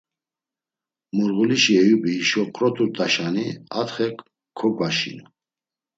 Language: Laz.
Murğulişi Eyubi hişo ǩroturt̆aşani, atxe kogvaşinu.